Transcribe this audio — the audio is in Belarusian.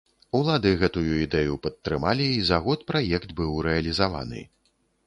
Улады гэтую ідэю падтрымалі і за год праект быў рэалізаваны.